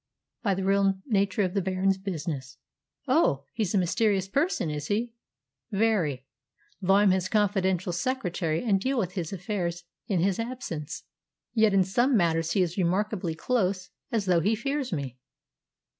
"By the real nature of the Baron's business." "Oh, he's a mysterious person, is he?" "Very. Though I'm his confidential secretary, and deal with his affairs in his absence, yet in some matters he is remarkably close, as though he fears me."